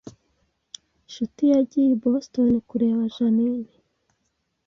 Nshuti yagiye i Boston kureba Jeaninne